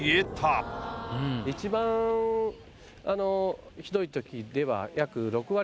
一番ひどいときでは約。